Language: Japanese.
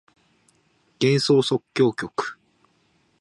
幻想即興曲